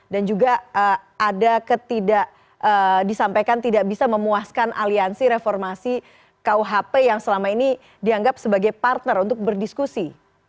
dan juga ada ketidak disampaikan tidak bisa memuaskan aliansi reformasi kuhp yang selama ini dianggap sebagai partner untuk berdiskusi